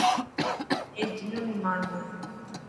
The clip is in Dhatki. اي جنوني ماڻهو هي.